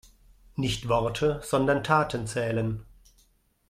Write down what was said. Nicht Worte, sondern Taten zählen.